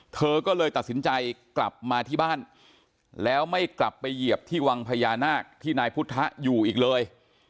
เธอก็เลยตัดสินใจกลับมาที่บ้านแล้วไม่กลับไปเหยียบที่วังพญานาคที่นายพุทธอยู่อีกเลย